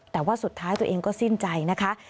แต่ว่าสุดท้ายตัวเองก็สิ้นใจนะคะ